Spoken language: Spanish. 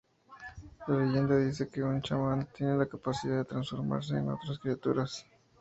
La leyenda dice que un chamán tiene la capacidad de transformarse en otras criaturas.